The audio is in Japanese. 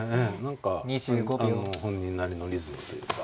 何か本人なりのリズムというか。